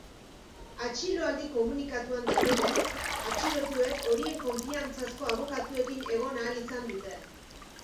Atxiloaldi komunikatuan daudenez, atxilotuek horien konfiantzazko abokatuekin egon ahal izan dute.